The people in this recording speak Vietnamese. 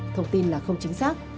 thông tin là không chính xác